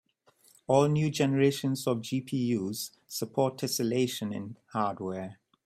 All new generations of GPUs support tesselation in hardware.